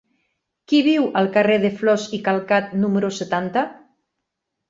Qui viu al carrer de Flos i Calcat número setanta?